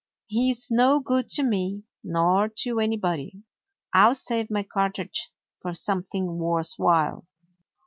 He ' s no good to me, nor to anybody. I 'll save my cartridge for something worth while."